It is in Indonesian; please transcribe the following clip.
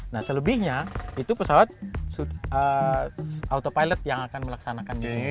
nah selebihnya itu pesawat autopilot yang akan melaksanakan ini